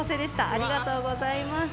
ありがとうございます。